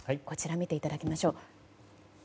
こちら、見ていただきましょう。